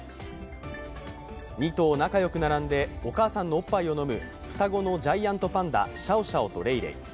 ２頭仲良く並んでお母さんのおっぱいを飲む双子のジャイアントパンダ、シャオシャオとレイレイ。